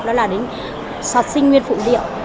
đó là đến sọt sinh nguyên phụ điệu